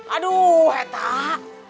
aduh hei tah